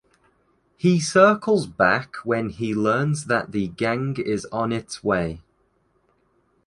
He circles back when he learns that the gang is on its way.